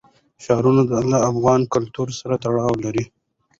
دا ښارونه له افغان کلتور سره تړاو لري.